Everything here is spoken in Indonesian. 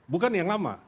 bukan yang lama